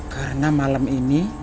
karena malam ini